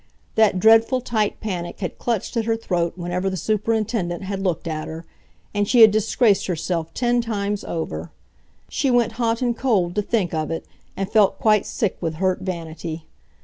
That dreadful tight panic had clutched at her throat whenever the Superintendent had looked at her, and she had disgraced herself ten times over. She went hot and cold to think of it, and felt quite sick with hurt vanity.